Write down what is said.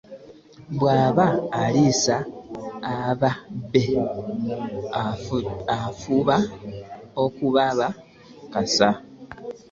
Bwaba aliisa ababe afuba okubakussa .